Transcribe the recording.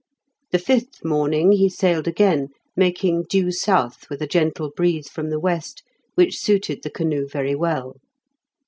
The fifth morning he sailed again, making due south with a gentle breeze from the west, which suited the canoe very well.